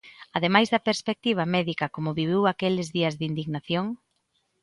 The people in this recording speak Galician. Ademais da perspectiva médica como viviu aqueles días de indignación?